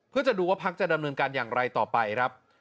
เพื่อจะดูว่าพักจะดำเนินการอย่างไรต่อไปครับ